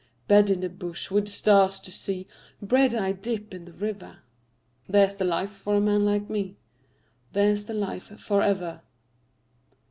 Bed in the bush with stars to see, Bread I dip in the river There's the life for a man like me, There's the life for ever.